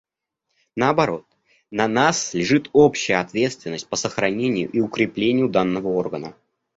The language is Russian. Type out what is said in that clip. Наоборот, на нас лежит общая ответственность по сохранению и укреплению данного органа.